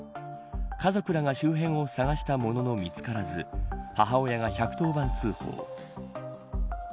家族らが周辺を探したものの見つからず母親が１１０番通報。